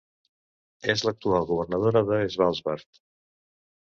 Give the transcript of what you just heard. És l'actual governadora de Svalbard.